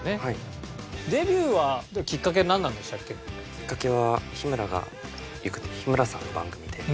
きっかけは『日村がゆく』っていう日村さんの番組で。